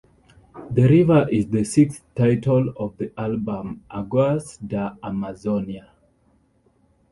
The river is the sixth title of the album "Aguas da Amazonia".